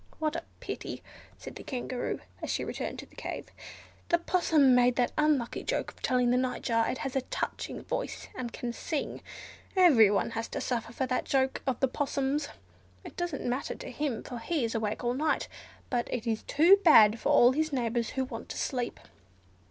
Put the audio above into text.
"What a pity!" said the Kangaroo, as she returned to the cave, "the Possum made that unlucky joke of telling the Nightjar it has a touching voice, and can sing: everyone has to suffer for that joke of the Possum's. It doesn't matter to him, for he is awake all night, but it is too bad for his neighbours who want to sleep."